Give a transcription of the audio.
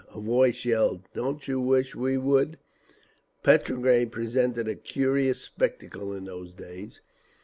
A voice yelled, "Don't you wish we would!" Petrograd presented a curious spectacle in those days.